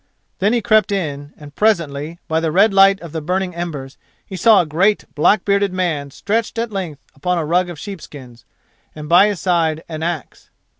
Then he crept in, and, presently, by the red light of the burning embers, he saw a great black bearded man stretched at length upon a rug of sheepskins, and by his side an axe.